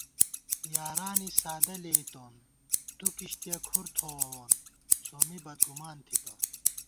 یارانےسادہ لېئیتون، دُو کِشتِیہ کھُر تھووَوون سومی بدگُمان تھِتہ